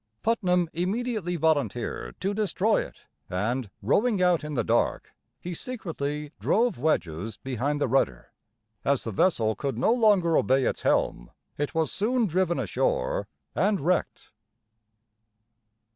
Putnam immediately volunteered to destroy it, and rowing out in the dark, he secretly drove wedges behind the rudder. As the vessel could no longer obey its helm, it was soon driven ashore and wrecked.